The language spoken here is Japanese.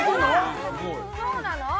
そうなの。